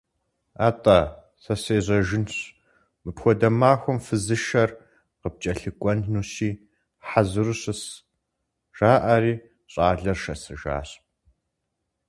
- АтӀэ, сэ сежьэжынщ, мыпхуэдэ махуэм фызышэр къыпкӀэлъыкӀуэнущи, хьэзыру щыс, - жиӀэри, щӀалэр шэсыжащ.